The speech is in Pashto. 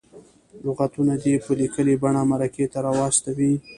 لغتونه دې په لیکلې بڼه مرکې ته راواستوي.